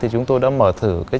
chúng tôi đã mở thử